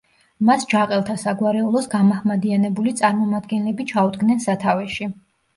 მას ჯაყელთა საგვარეულოს გამაჰმადიანებული წარმომადგენლები ჩაუდგნენ სათავეში.